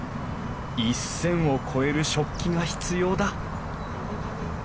１，０００を超える食器が必要だ